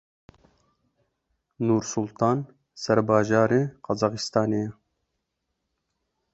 Nursultan serbajarê Qazaxistanê ye.